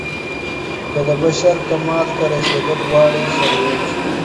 که د بشر کمال ته رسېدل غواړئ سره يو سئ.